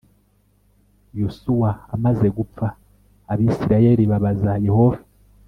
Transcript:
yosuwa amaze gupfa,+ abisirayeli babaza+ yehova